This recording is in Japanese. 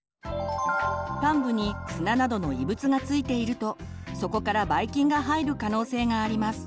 患部に砂などの異物がついているとそこからばい菌が入る可能性があります。